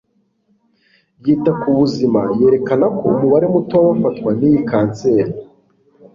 ryita ku Buzima yerekana ko umubare muto w'abafatwa n'iyi kanseri